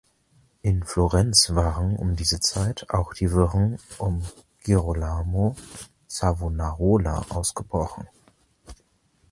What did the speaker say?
In Florenz waren um diese Zeit auch die Wirren um Girolamo Savonarola ausgebrochen.